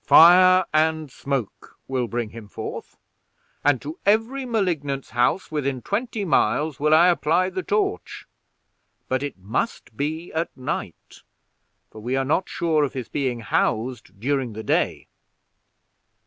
Fire and smoke will bring him forth; and to every Malignant's house within twenty miles will I apply the torch; but it must be at night, for we are not sure of his being housed during the day.